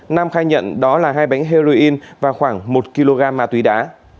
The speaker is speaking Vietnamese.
nam khai nhận đó là hai bánh heroin và khoảng một kg ma túy đá